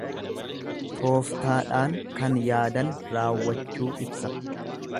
Toftaadhaan kan yaadan raawwachuu ibsa.